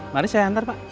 mari saya hantar pak